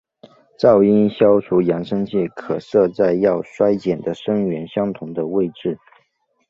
噪音消除扬声器可设在要衰减的声源相同的位置。